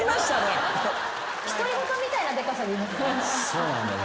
そうなんだよ。